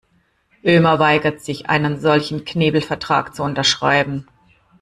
Ömer weigert sich, einen solchen Knebelvertrag zu unterschreiben.